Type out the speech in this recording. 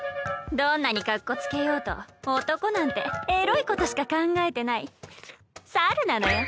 どんなにかっこつけようと男なんてエロいことしか考えてない猿なのよ。